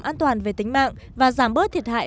an toàn về tính mạng và giảm bớt thiệt hại